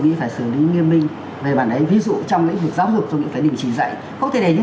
nghĩ phải xử lý nghiêm minh về bản đấy ví dụ trong lĩnh vực giáo dục tôi nghĩ phải đỉnh chỉ dạy không thể để những